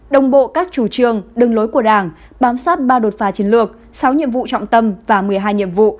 đồng bộ các chủ trương đường lối của đảng bám sát ba đột phá chiến lược sáu nhiệm vụ trọng tâm và một mươi hai nhiệm vụ